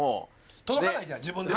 届かないじゃん自分で。